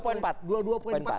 berapa persen mas agus